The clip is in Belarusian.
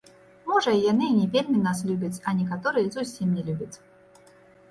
Можа яны і не вельмі нас любяць, а некаторыя зусім не любяць.